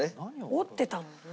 織ってたもんな。